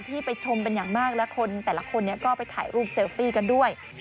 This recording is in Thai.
ไปชมเป็นอย่างมากและคนแต่ละคนก็ไปถ่ายรูปเซลฟี่กันด้วย